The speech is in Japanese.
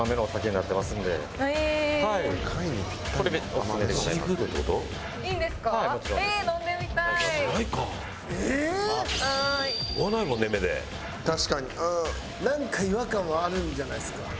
なんか違和感はあるんじゃないですか？